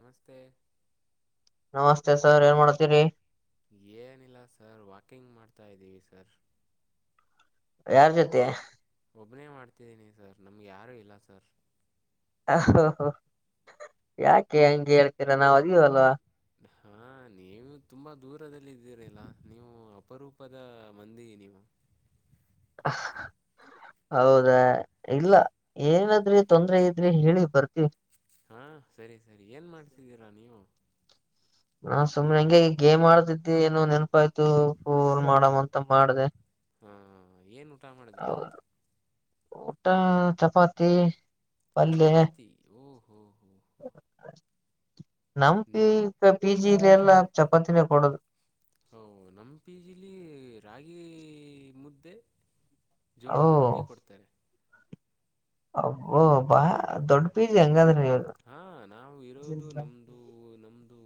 ನಮಸ್ತೆ ನಮಸ್ತೆ ಸರ್ ಏನ್ ಮಾಡ್ತೀರಿ ಏನಿಲ್ಲ ಸರ್ ವಾಕಿಂಗ್ ಮಾಡ್ತಾ ಇದ್ದೀವಿ ಸರ್ ಯಾರ್ ಜೊತೆ ಒಬ್ಬನೇ ಮಾಡ್ತಿದ್ದೀನಿ ಸರ್ ನಮ್ಗೆ ಯಾರೂ ಇಲ್ಲ ಸರ್ ಹ ಯಾಕೆ ಹಂಗೆ ಹೇಳ್ತೀರಾ ನಾವ್ ಅದೀವ್ ಅಲ್ವಾ ಹಾಂ [inaudible] ನೀವು ತುಂಬಾ ದೂರದಲ್ಲಿ ಇದ್ದೀರಿಲ್ಲ ನೀವು ಅಪರೂಪದ ಮಂದಿ ನೀವು. [unintelligible] ಹೌದಾ ಇಲ್ಲ ಏನಾದ್ರಿ ತೊಂದ್ರ ಇದ್ರಿ ಹೇಳಿ ಬರ್ತೀವಿ. ಹಾ ಸರಿ ಸರಿ ಏನ್ ಮಾಡ್ತಿದ್ದೀರಾ ನೀವು. ನಾ ಸುಮ್ನೆ ಹೆಂಗಗೆ ಈ ಗೇ್ ಆಡ್ತಿದ್ದೆ ಏನೋ ನೆನಪಾಯಯ್ತು ಫೂಲ್ ಮಾಡಮ ಅಂತ ಮಾಡ್ದೇ. ಹಾ ಏನ್ ಊಟ ಮಾಡಿದ್ರಿ ಇವತ್ತು. ಊಟ ಚಪಾತಿ ಪಲ್ಯ ಚಪಾತಿ ಓಹೋ ಹೋ ಹೋ ನಿ ಎಲ್ಲ ಚಪಾತಿನೇ ಕೊಡದು. ನಂಪಿಜಿಲಿ ರಾಗಿ ಮುದ್ದೆ. ಓ ಜೋಳದ ರೊಟ್ಟಿ ಕೊಡ್ತಾರೆ. ಅಬ್ಬೋಬ ದೊಡ್ ಪಿಜಿ ಅಗದ್ರೆ. ಹಾ ನಾವು ಇರೋದು ನಮ್ದು ನಮ್ದು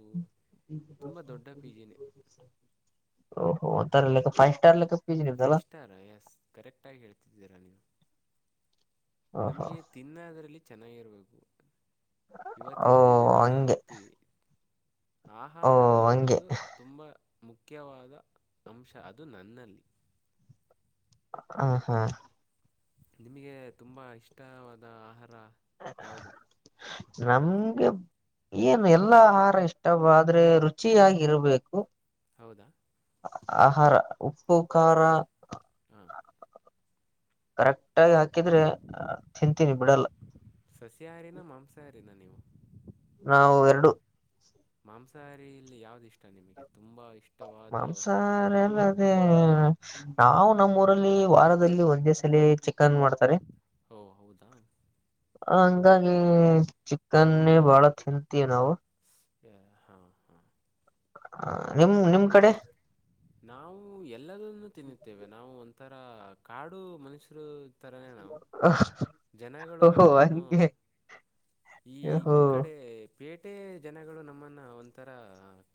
ಓಹೋ ಹೋಗ್ತಾರಾ ಫೈವ್ ಸ್ಟಾರ್ಕ್ಕೆ. ಫೈವ್ ಸ್ಟಾರ್ ಎಸ್ ಕರೆಕ್ಟಾಗಿ ಹೇಳ್ತಿದ್ದೀರಾ ನೀವು. ಓಹೋ ನಮಗೆ ತಿನ್ನದರಲ್ಲಿ ಚೆನ್ನಾಗಿರಬೇಕು. ಇವತ್ ಓ ಇರ್ತೀವಿ ನಾಳೆ ಹಂಗೆ ಹೋಗ್ತೀವಿ. ಓ ಆಹಾರ ಹಂಗೆ ಅನ್ನೋದು ತುಂಬಾ ಮುಖ್ಯವಾದ ಅಂಶ ಅದು ನನ್ನಲ್ಲಿ ಹ ಹಾ ನಿಮಗೆ ತುಂಬ ಇಷ್ಟವಾದ ಆಹಾರ ಯಾವುದು ನಮ್ಗೆ ಏನು ಎಲ್ಲಾ ಆಹಾರ ಇಷ್ಟವಾದ್ರೆ ರುಚಿಯಾಗಿ ಇರ್ಬೇಕು. ಹೌದಾ ಆಹಾರ ಉಪ್ಪು ಖಾರ ಹಾ ಕರೆಕ್ಟ್ ಆಗಿ ಹಾಕಿದ್ರೆ ತಿಂತೀನಿ ಬಿಡಲ್ಲ. ಸಸ್ಯಾಹಾರಿನ ಮಾಂಸಾಹಾರಿನ ನೀವು. ನಾವು ಎರಡು ಮಾಂಸಾಹಾರಿ ಇಲ್ಲಿ ಯಾವ್ದ ಇಷ್ಟ. ನಿಮಗೆ ತುಂಬ ಇಷ್ಟವಾದ ಮಾಂಸಾಹಾರಿಯಲ್ಲಿ ಅದೇ ನಾವು ನಮ್ಮ್ ಊರಲ್ಲಿ ವಾರದಲ್ಲಿ ಒಂದೇ ಸಲಿ ಚಿ ಓ ಹೌದಾ ಹಂಗಾಗಿ ಚಿಕನ್ನೇ ಬಾಳ ತಿಂತೀವಿ ನಾವು. ಹಾ ಹಾ ಹ ನಿಮ ನಿಮ್ ಕಡೆ ನಾವು ಎಲ್ಲದನ್ನು ತಿನ್ನುತ್ತೇವೆ ನಾವು ಒಂಥರ ಕಾಡು ಮನುಷ್ಯರು. ಥರನೇ ನಾವು [unintelligible] ಜನಗಳು ಓಹೋ ನಮ್ಮನ್ನು ಹಂಗೆ ಈ ಓಹೋ ಈ ಕಡೆ ಪೇಟೆ ಜನಗಳು ನಮ್ಮನ್ನ ಒಂಥರ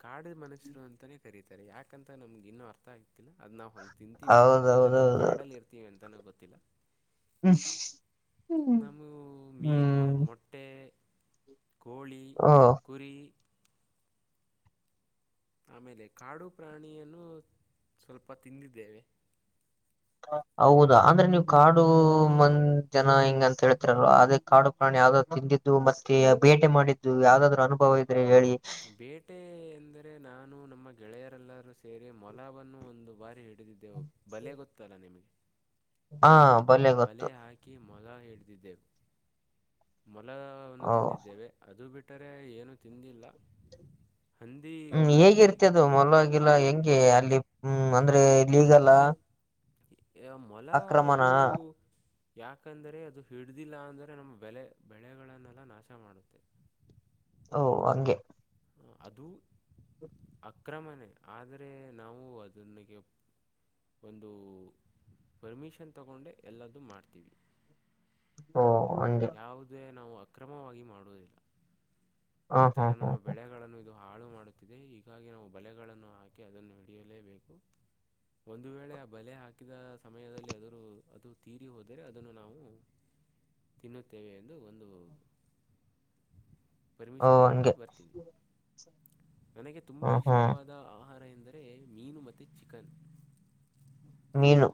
ಕಾಡಿದ ಮನಸರು ಅಂತಾನೇ ಕರತಾರೆ ಯಾಕಂತ ನಮ್ಗೆ. ಇನ್ನು ಅರ್ಥ ಆಗ್ತಿಲ್ಲ ಅದ್ ನಾವ್ ಹಂಗ್ ತಿಂತೀವಿ ಅಂತಾನ ಇಲ್ಲ ನಾ್ ಹೌದೌದೌದೌದು ಕಾಡಲ್ಲಿ ಇರ್ತಿೀವಿ ಅಂತನ ಗೊತ್ತಿಲ್ಲ. ಹ್ಮ್ ನಮು ಮೀನು ಹ್ಮ್ ಮೊಟ್ಟೆ ಕೋಳಿ ಹ ಕುರಿ ಆಮೇಲೆ ಕಾಡು ಪ್ರಾಣಿಯನ್ನು ಸ್ವಲ್ಪ ತಿಂದಿದ್ದೇವೆ. ಹೌದಾ ಅಂದ್ರೆ ನೀವು ಕಾಡು ಮಂದ ಜನ ಹೆಿಂಗ ಅಂತ ಹೇಳ್ತರಲ್ವಾ ಅದೇ ಕಾಡು ಪ್ರಾಣಿ ಯಾವ್ದಾದ್ರು ತಿಂದಿದ್ದು ಮತ್ತೆ ಬೇಟೆ ಮಾಡಿದ್ದು ಯಾವ್ದಾದ್ರು ಅನುಭವ ಇದ್ರೆ. ಹೇಳಿ ಬೇಟೆ ಎಂದರೆ ನಾನು ನಮ್ಮ ಗೆಳೆಯರೆಲ್ಲ. ಸೇರಿ ಮೊಲಬನ್ನು ಒಂದು ಬಾರಿ ಹಿಡಿದಿದ್ದೆವು ಬಲೆ ಗೊತ್ತಲ್ಲಾ ನಿಮ್ಗೆ. ಹಾ ಬಲ್ಲೆ ಗೊತ್ತು ಬಲೆ ಹಾಕಿ ಮೊಲ ಹಿಡಿದಿದ್ದೆವು ಮೊಲವನ್ನು ಓ ತಿಂದಿದ್ದೇವೆ ಅದು ಬಿಟ್ಟರೆ ಏನೂ ತಿಂದಿಲ್ಲ ಹಂದಿ ಹ್ಮ್ ಗೊತ್ತಾ ನಿಮಗೆ ಹೇಗಿರ್ತ ಅದು ಮೊಲವಾಗಿಲ್ಲ ಹೆಂಗೆ ಅಲ್ಲಿ ಹ ಅಂದ್ರೆ ಲೀಗಲ ಮೊಲ ಅದು ಯಾಕಂದರೆೆ ಅದು ಹಿಡ್ದಿಲ್ಲ ಅಂದ್ರೆ ನಮ್ಮ ಬೆಲೆ ಬೆಳೆಗಳನ್ನೆಲ್ಲ ನಾಶ ಮಾಡುತ್ತೆ ಓ ಹಂಗೆ ಅದು ಅಕ್ರಮಣೆ ಆದರೆ ನಾವು ಅದನಗೆ ಒಂದು ಪರ್ಮಿಷನ್ ತಗೊಂಡೆ ಎಲ್ಲದ್ದೂ ಮಾಡ್ತೀವಿ ಹ ಯಾವುದೇ ನಾವು ಅಕ್ರಮವಾಗಿ ಮಾಡುವುದಿಲ್ಲ ಹ ಈ ಹಾ ತರ ಹಾ ನಮ್ಮ ಹ ಬೆಳೆಗಳನ್ನು ಇ ಹಾಳು ಮಾಡುತ್ತಿದೆ ಹೀಗಾಗಿ ನಾವು ಬಲೆಗಳನ್ನು ಹಾಕಿ ಅದನ್ನು ಹಿಡಿಯಲೇಬೇಕು ಒಂದು ವೇಳೆ ಆ ಬಲೆ ಹಾಕಿದ ಸಮಯದಲ್ಲಿ ಅದರ ಅದು ತೀರಿ ಹೋದರೆ ಅದನ್ನು ನಾವು [unintelligible] ತಿನ್ನುತ್ತೇವೆ ಎಂದು ಒಂದು ಓ ಪರ್ಮಿಷನ್ ತೊಗೊಂಡು ಹಂಗೆ ಬರ್ತೀವಿ ನನಗೆ ತುಂಬ ಹ್ಮ್ ಹ್ಮ್ ಇಷ್ಟವಾದ ಆಹಾರ ಎಂದರೆ ಮೀನು ಮತ್ತು ಚಿಕನ್ ಮೀನು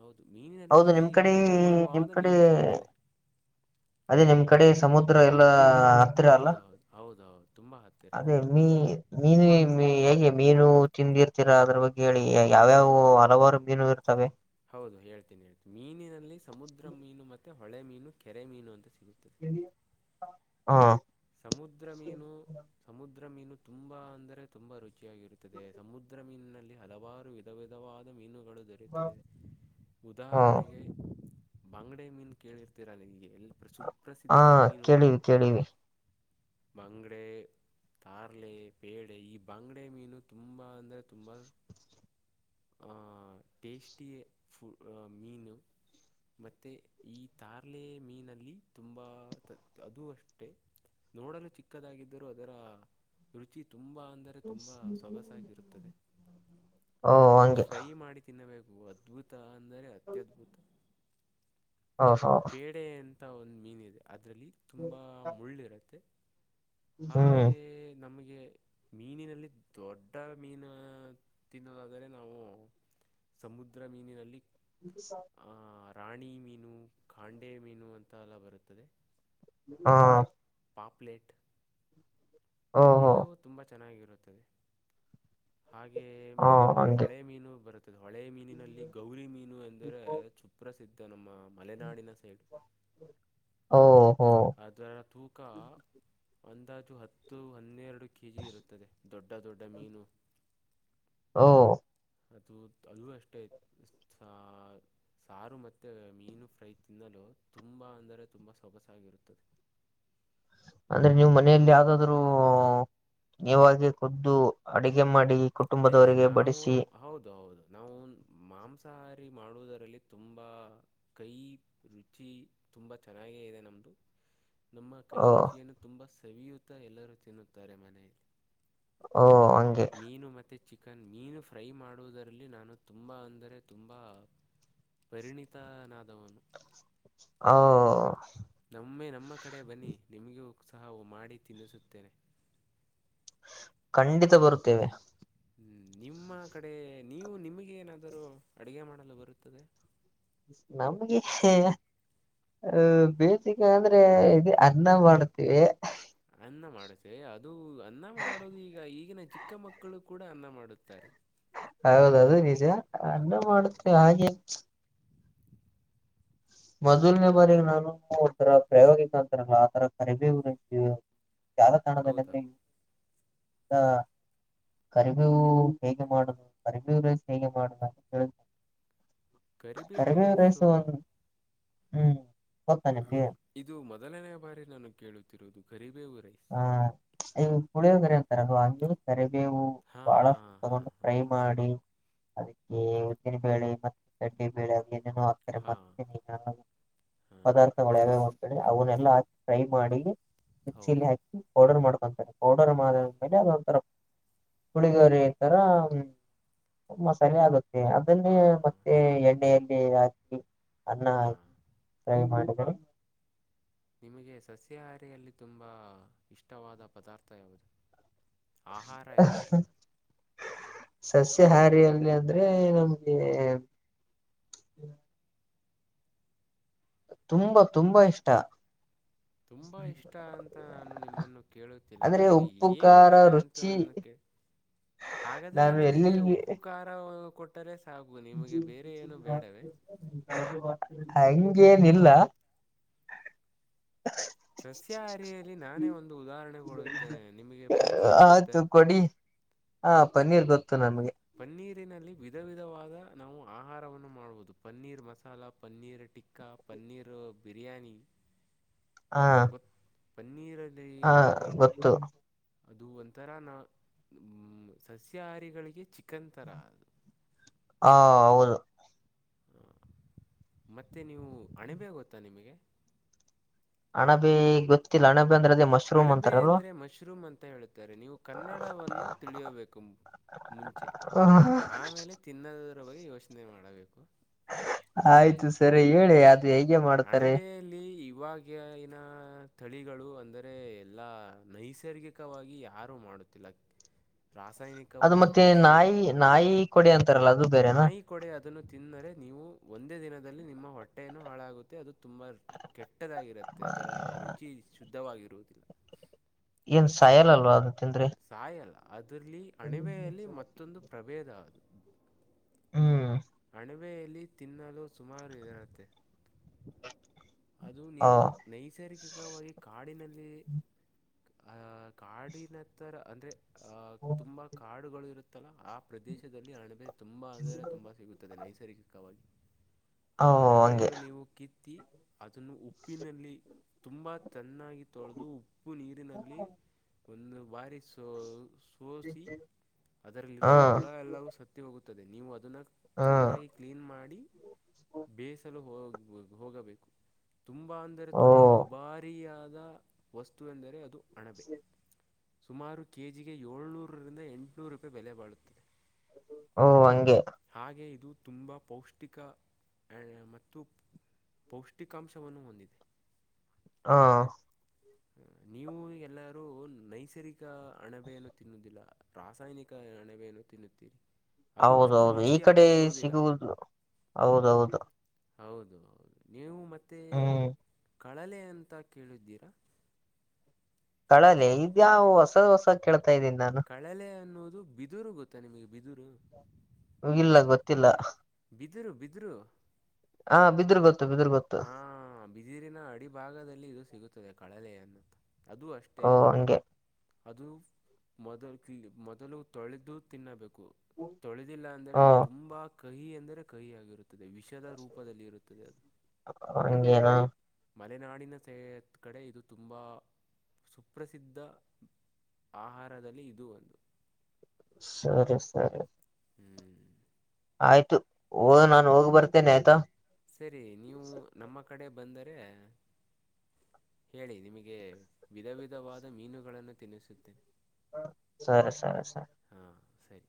ಹೌದು ಮೀನಿನಲ್ಲಿ ಹೌದು ನಿಮ್ ಕಡೆ ವಿಧ ನಿಮ್ ವಿಧವಾದ ಕಡೆ ಮೀನು ಸಿಗುತ್ತದೆ ಅದೇ ನಿಮ್ ಕಡೆ ಸಮುದ್ರ ಎಲ್ಲಾ ಹತ್ರಿ ಅಲ್ಲ ಹೌದು ಹೌದು ಹೌದು ಹೌದು ತುಂಬ ಹತ್ತಿರ ಅದೇ ಮ ಮನು ಹೇ [inaudible] ಮೀನು ತಿಂದಿರ್ತೀರಾ ಅದ್ರ ಬಗ್ಗೆ ಹೇಳಿ ಯಾವ್ಯಾವ ಹಾಂ ಹಲವಾರು ಮೀನು ಇರ್ತವೆ ಹೌದು ಹೇಳ್ತೀನಿ ಹೇಳ್ತಿ ಮೀನಿನಲ್ಲಿ ಸಮುದ್ರ ಮೀನು ಮತ್ತೆ ಹೊಳೆ ಮೀನು ಕೆರೆ ಮೀನು ಅಂತ ಸಿ ಹಾ ಸಮುದ್ರ ಮೀನು ಸಮುದ್ರ ಮೀನು ತುಂಬಾ ಅಂದ್ರೆ ತುಂಬಾ ರುಚಿ ಿಯಾಗಿರುತ್ತದೆ ಸಮುದ್ರ ಮೀನಿನಲ್ಲಿ ಹಲವಾರು ವಿಧ ವಿಧವಾದ ಮೀನು ದೊರೆಯುತ್ತದೆ ಹ ಉದಾಹರಣೆಗೆ ಬಂಗಡೆ ಮೀನ್ ಕೇಳಿರ್ತೀರಾ ನಗೆ ಹಾ ಕೇಳಿವ ಕೇಳಿವ ಮಂಗಡೆೆ ತಾರ್ಲೆ ಪೇಡೆೆ ಈ ಬಂಗ್ಡೆ ಮೀನು ತುಂಬಾ ಅಂದ್ರೆ ತುಂಬಾ ಆಹ ಟೇಸ್ಿ ಮೀನು ಮತ್ತೆ ಈ ತಾರ್ಲೆ ಮೀನಲ್ಲಿ ತುಂಬಾ ಅದುೂ ಅಷ್ಟ ನೋಡಲು ಚಿಕ್ಕದಾಗಿದ್ದರೂ ಅದರ ರುಚಿ ತುಂಬ ಅಂದರೆ ತುಂಬ ಸೊಗಸಾಗಿರುತ್ತದೆ ಓ ಅದರ ಹಂಗೆ ಫ್ರೈ ಮಾಡಿ ತಿನ್ನಬೇಕು ಅದ್ಭುತ ಅಂದರೆ ಅತ್ಯದ್ಭುತ ಹಾ ಹಾ ಇಂತ ಒಂದು್ ಮೀನ್ ಇದೆ ಅದ್ರಲ್ಲಿ ತುಂಬಾ ಮುಳ್ಳು ಇರುತ್ತೆ ಹಾಗೆ ಹ್ಮ್ ನಮ್ಗೆ ಹಗೆ ಮೀನಿನಲ್ಲಿ ದೊಡ್ಡ ಮೀನು ತಿನ್ನೋದಾದರೆ ನಾವು ಸಮುದ್ರ ಮೀನಿನಲ್ಲಿ ಇು ಸರ್ ರಾಣಿ ಮೀನು ಖಾಂಡೆ ಮೀನು ಅಂತ ಎಲ್ಲ ಬರುತ್ತದೆ ಹಾ ಪಾಪ್ಲೆೇಟ್ ಓಹೋ ಎಲ್ಲವೂ ತುಂಬ ಚೆನ್ನಾಗಿರುತ್ತದೆ ಹಾಗೆಯ ಹಾ ಹಂಗೆ ಹೊಳೆ ಮೀನು ಬರುತ್ತದೆ ಹೊಳೆ ಮೀನಿನಲ್ಲಿ ಗೌರಿ ಮೀನು ಎಂದರೆ ಚುಪ್ರಸ್ ಸಿದ್ಧ ನಮ್ಮ ಮಲೆನಾಡಿನ ಸೈಡ್ ಓಹೋ ಅದಾರ ತೂಕ ಅಂದಾಜು ಹತ್ತು ಹನ್ನೆರಡು ಕೆಜಿ ಇರುತ್ತದೆ ದೊಡ್ಡ ದೊಡ್ಡ ಮೀನು ಹಓ ಅದು ಅಲ್ಲೂ ಅಷ್ಟೆ ಸ ಸಾರು ಮತ್ತುತ್ತೆ ಮೀನು ಫ್ರೈ ತಿನ್ನಲು ತುಂಬಾ ಅಂದರೆ ತುಂಬ ಸೊಬಸಾಗಿರುತ್ತದೆ [inaudible] ಅಂದ್ರೆ ನೀವು ಮನೆಯಲ್ಲಿ ಯಾವ್ದಾದ್ರು ನೀವಾಗೆ ುದ್ದು ಅಡಗೆ ಮಾಡಿ ಹೇ ಕುಟುಂಬದವರಿಗೆ ನಾವು ಬಡಿಸಿ ಹೌದು ಹೌದು ನಾವು ಮಾಂಸ ಸಾರಿ ಮಾಡುವುದರಲ್ಲಿ ತುಂಬಾ ಕೈ ರುಚಿ ತುಂಬಾ ಚೆನ್ನಾಗೇ ಇದೆ ನಮ್ದ [inaudible] ನಮ್ಮ ಓ ಕೈರುಚಿಯನ್ನು ತುಂಬಾ ಸವಿಯುತ ಎಲ್ಲರೂ ತಿನ್ನುತ್ತಾರೆ ಮನೆಯಲ್ಲಿ ಹ ಮೀನು ಮತ್ತೆ ಚಿಕನ್ ಮೀನು ಫ್ರೈ ಮಾಡುವುದರಲ್ಲಿ ನಾನು ತುಂಬಾ ಅಂದರೆ ತುಂಬಾ ಪರಿಣಿತನಾದವನು ಹಓ ನಮ್ಮೆ ನಮ್ಮ ಕಡೆ ಬನ್ನಿ ನಿಮಗೂ ಸಹ ಮಾಡಿ ತಿನ್ನಿಸುತ್ತೇನೆ ಖಂಡಿತ ಬರುತ್ತೇವೆ ನಿಮ್ಮ ಕಡೆ ನೀವು ನಿಮಗೆ ಏನಾದರೂ ಅಡಗೆ ಮಾಡಲು ಬರುತ್ತದೆ ನಮಗೆ ಅಹ ಬೇಸಿಕ ಅಂದ್ರೆ ಇದು ಅನ್ನ ಮಾಡತೀವಿ ಅನ್ನ ಮಾಡಸೆ ಅದು ಅನ್ನ ಮಾಡೋದು ಈಗ ಈಗಿನ ಚಿಕ್ಕ ಮಕ್ಕಳು ಕೂಡ ಅನ್ನ ಮಾಡುತ್ತಾರೆ ಹೌದದು ನಿಜ ಅನ್ನ ಮಾಡುತ್ತೆ ಹಾಗೆ ಮೊದಲನೇ ಬಾರಿಗೆ ನಾನು ಒಥರ ಪ್ರಯೋಗಿಕ ಅಂತಾರಲ್ಲ ಆತರ ಕರಿಬಿ ಉ್ತವಿ ಹೌದಾ ಜಾಲತಾಣದಿ ಆ ಕರಿವ್ಯವು ಹೇಗೆ ಮಾಡುದು ಕರಿವ್ಯೂ ರಸ್ ಹೇಗೆ ಮಾಡುದ ಅಂತ ಹೇಳತಾರೆ ಕರಿಬೇವು ರೈಸು ಹ್ಮ್ ತ್ತ ನಿಗೆ ಮೊದಲನ ಬಾರಿ ನಾನು ಕೇಳುತ್ತಿರುವುದು ಗರೀ ಹ ಅ ಪುಳಿಯೋಗ್ರಾ ಅಂತರಲ್ಲ ಹಂಗಿರುತ್ತೆ ಬೇವು ಹಾ ಬಹಳಷ್ಟ ಹಾ ಹಾ ತಗೊಂಡು ಹಾ ಫ್ರೈ ಮಾಡಿ ಅದಕ್ಕೆ ಉದ್ದಿನ ಬೇಳೆ ಮತ್ತೆ ಕಡ್ಡಿ ಬೇಳೆ ಹಾತಾರೆ ಹಾ ಹಾ ಪದಾರ್ಥಗಳ ಯಾವ ಹೋಗ್ತೇಡಿ ಅವನ್ನೆಲ್ಲಾ ಹಾಕಿ ಟ್ರೈ ಮಾಡಿ ಮಿಕ್ಸಿಲಿ ಹೌದಾ ಹಾಕಿ ಪೌಡರ್ ಮಾಡ್ಕೊತಾರೆ ಪೌಡರ್ ಮಾಡ ಹೌದು ಮೇಲೆ ಅದೊಂಥರ ಹುಳಿದವರೆ ತರ ಮಸಾಲೆ ಆಗುತ್ತೆ ಮ ಅದನ್ನೇ ಹಾ ಹಾ ಮತ್ತೆ ಎಣ್ಣೆಯಲ್ಲಿ ಹಾಕಿ ಅನ್ನ ಹಾ ಹಾಕಿ ಸಾಗಿ ಮಾಡಿದರಿ ನಿಮಗೆ ಸಸ್ಯಾಹಾರಿಯಲ್ಲಿ ತುಂಬ ಇಷ್ಟವಾದ ಪದಾರ್ಥ ಯಾವುದು ಆಹಾರ ಯಾವುದು ಸಸ್ಯಹಾರಿಯಲ್ಲಿ ಅಂದ್ರೆ ನಮ್ಗೆ ತುಂಬಾ ತುಂಬಾ ಇಷ್ಟ ತುಂಬಾ ಇಷ್ಟ ಅಂತ ನಾನು ನಿಮ್ಮನ್ನು ಕೇಳುತ್ತಿಲ್ಲ ಆದ್ರೆ ನಿಮಗೆ ಉಪ್ಪು ಏನು ಖಾರ ಇಷ್ಟ ಅಂತ ರುಚಿ ನನ್ನ ಹಾಗಾದ್ರೆ ನಾನು ನಿಮಗೆ ಎಲ್ಲೆಲ್ಲಿ ಉಪ್ಪು ಖಾರ ಕೊಟ್ಟರೆ ಸಾಕು ನಿಮಗೆ ಬೇರೆ ಏನು ಬೇಡವೇ [inaudible] ಹಂಗೇನಿಲ್ಲ ಸಸ್ಯಾಹಾರಿಯಲ್ಲಿ ನಾನೇ ಒಂದು ಉದಾಹರಣೆ ಕೊಡುತ್ತೇನೆ ನಿಮಗೆ ಪನ್ನೀರು ಗೊತ್ತ ಆಯ್ತು ಕೊಡಿ ಹಾ ಪನ್ನೀರ್ ಗೊತ್ತು ನಮ್ಗೆ ಪನ್ನೀರಿನಲ್ಲಿ ವಿಧ ವಿಧವಾದ ನಾವು ಆಹಾರವನ್ನು ಮಾಡಬಹುದು ಪನ್ನೀರ್ ಮಸಾಲಾ ಪನ್ನೀರ್ ಟಕ್ಕಾ ಪನ್ನೀರು ಬಿರಿಯಾನಿ ಹಾ ಪನ್ನೀರ ಹಾ ಗೊತ್ತು ಅದು ಒಂಂತರ ನ ಸಸ್ಯಹಾರಿಗಳಿಗೆ ಚ ಚಿಕ್ಕಂತರದು ಹ ಹೌದು ಹ ಮತ್ತೆ ನೀವು ಅಣೆಬೇ ಗೊತ್ತಾ ನಿಮಗೆ ಹಣಂಬೆ ಗೊತ್ತಿಲ್ಲ ಹಣ ಅಣಬೆ ಎಂದ್ರೆ ಮಶ್ರೂಮ್ ಅಂತ ಹೇಳುತ್ತಾರೆ ನೀವು ಕನ್ನಡವನ್ನು ತಿಳಿಯಬೇಕೆಂಬ ಮುಂಚೆ ಆಮೇಲೆ ತಿನ್ನೋದರ ಬಗ್ಗೆ ಯೋಚನೆ ಮಾಡಬೇಕು ಆಯ್ತು ಸರಿ ಹೇಳಿ ಅ ಅಣಬೆಯಲ್ಲಿ ಇವಾಗ ಇನ ಸ್ಥಳಿಗಳು ಅಂದರೆ ಎಲ್ಲಾ ನೈಸರ್ಗಿಕವಾಗಿ ಯಾರು ಮಾಡುತ್ತಿಲ್ಲ ಅದು ರಾಸಾಯನಿಕವಾಗಿ ಮತ್ತೆ ಬೆಳೆಸಿ ನಾಯಿ ನಾಯಿ ಕೊಡಿ ಅಂತಾರಲ್ಲ ಅದು ಬೇರೆನಾ ನಾಯಿ ಕೊಡೆ ಅದನ್ನು ತಿನ್ನರೆ ನೀ ನೀವು ಒಂದೇ ದಿನದ ನಿಮ್ಮ ಹೊಟ್ಟೆನ್ನು ಹಾಳಾಗುತ್ತೆ ಅದು ತುಂಬಾ ಕೆಟ್ಟದಾಗಿರುತ್ತೆ ಅದರ ರುಚಿ ಶುದ ಸ್ಧವಾಗಿರುವುದಿಲ್ಲ ಏನ್ ಸಾಯಲ್ಲಲ್ವಾ ಅದು ತಿಂದ್ರೆ ಸಾಯಲ್ಲ ಅದ್ರಲ್ಲಿ ಅಣಿವೆಯಲ್ಲಿ ಮತ್ತೊಂದು ಪ್ರಭೇದ ಅದು ಹ್ಮ್ ಅಣಬೆಯಲ್ಲಿ ತಿನ್ನಲು ಸುಮಾರು ಎರಂತೆೆ ಅದು ಓ ನೀವು ನೈಸರ್ಗಿಕವಾಗಿ ಕಾಡಿನಲ್ಲಿ ಅಹ ಕಾಡಿನತ್ತರ ಅಂದ್ರೆ ಅಹ ತುಂಬಾ ಕಾಡುಗಳು ಇರುತ್ತ ಮತ್ತಲ ಆ ಪ್ರದೇಶದಲ್ಲಿ ಅಣಬೆ ತುಂಬಾ ಅಂದರೆ ತುಂಬಾ ಸಿಗುತ್ತದೆ ನೈಸರ್ಗಿಕವಾಗಿ ಆ ಓ ಹಂಗೆ ಅಣೆಬೆಯನ್ನು ನೀವು ಕಿತ್ತಿ ಅದನ್ನು ಉಪ್ಪಿನಲ್ಲಿ ತುಂಬಾ ತನ್ನಾಗಿ ತೊಳೆದು ಉಪ್ಪು ನೀರಿನಲ್ಲಿ ಒಂದು ಬಾರಿ ಸ ಸೋಸಿ ಹಾ ಅದರಲ್ಲಿರುವ ಹುಳ ಎಲ್ಲವೂ ಸತ್ಯ ಹೋಗುತ್ತದೆ ನೀವು ಅದನ್ನ ಹಾ ಚೆನ್ನಾಗಿ ಕ್ಲೀನ್ ಮಾಡಿ ಬೇಯಿಸಲು ಹೋಗ ಹೋಗಬೇಕು ತುಂಬ ಅಂದರೆ ಓ ತುಂಬ ದುಬಾರಿಯಾದ ವಸ್ತು ಎಂದರೆ ಅದು ಅಣಬೆ [inaudible] ಸುಮಾರು ಕೆಜಿಗೆ ಏಳ್ನೂರ ರಿಂದ ಎಂಟುನೂರು ರೂಪಾಯಿ ಬೆಲೆ ಬಾಳುತ್ತದೆ ಓ ಹಂಗೆ ಹಾಗೆ ಇದು ತುಂಬಾ ಪೌಷ್ಟಿಕ ಮತ್ತು ಪೌಷ್ಟಿಕಾಂಶವನ್ನು ಹೊಂದಿದೆ ಹಾ ನೀವು ಎಲ್ಲಾರೂ ನೈಸರ್ಗಿಕ ಅಣಬೆಯನ್ನು ತಿನ್ನುವುದಿಲ್ಲ ರಾಸಾಯನಿಕ ಅಣಬೆಯನ್ನು ತಿನ್ನುತ್ತೀರಿ ಅದು ಅಷ್ಟು ಹೌದೌದು ಈ ರುಚಿಯಾಗೂ ಕಡೆ ಇರುವುದಿಲ್ಲ ಸಿಗುವುದು ಹೌದೌದು ಹೌದು ಹೌದು ನೀವು ಮತ್ತೆ ಹ್ಮ್ ಕಳಲೆ ಅಂತ ಕೇಳಿದ್ದೀರಾ ಕಳಲೆ ಇದ್ಯಾಾವ ಹೊಸದ್ ಹೊಸ ಕೆೇಳ ಕಳಲೆ ಅನ್ನೋದು ಬಿದಿರು ಗೊತ್ತಾ ನಿಮಗೆ ಬಿದುರು ಹೋಗಿಲ್ಲ ಗೊತ್ತಿಲ್ಲ ಬಿದಿರು ಬಿದರು ಹ ಬಿದ್ರ ಗೊತ್ತು ಬಿದ್ರ ಗೊತ್ತು ಹಾ ಬಿದಿರಿನ ಅಡಿ ಭಾಗದಲ್ಲಿ ಇದು ಸಿಗುತ್ತದೆ ಕಳಲೆ ಅನ್ನಂತ ಅದು ಅಷ್ಟೇ ಓ ಹಂಗೆ ಅದು ಮೊದಲು ಮೊದಲು ತೊಳೆದು ತಿನ್ನಬೇಕು ತೊಳೆದಿಲ್ಲ ಹ ಅಂದ್ರರೆ ಅದು ತುಂಬಾ ಕಹಿ ಅಂದರೆ ಕಹಿ ಆಗಿರುತ್ತೆ ವಿಷದ ರೂಪದಲ್ಲಿ ಇರುತ್ತದೆ ಅದು ಅಂಗೇದಾ ಮಲೆನಾಡಿನ ಸ ಕಡೆ ಇದು ತುಂಬಾ ಸುಪ್ರಸಿದ್ಧ ಆಹಾರದಲ್ಲಿ ಇದು ಒಂದು ಸರಿ ಸರಿ ಹ್ಮ್ ಆಯ್ತು ಹೋಗ ನಾನು ಹೋಗಿ ಬರ್ತೇನೆ ಆಯ್ತಾ ಸರಿ ನೀವು ನಮ್ಮ ಕಡೆ ಬಂದರೆ ಹೇಳಿ ನಿಮಗೆ ವಿಧ ವಿಧವಾದ ಮೀನುಗಳನ್ನು ತಿನ್ನಿಸುತ್ತೆ ಸರಿ ಸರಿ ಸರಿ ಹಾ ಸರಿ